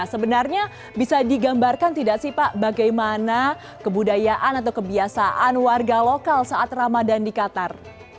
sebenarnya bisa digambarkan tidak sih pak bagaimana kebudayaan atau kebiasaan warga lokal saat ramadan di qatar